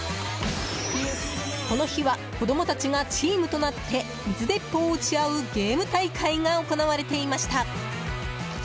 この日は子供たちがチームとなって水鉄砲を撃ち合うゲーム大会が行われていました。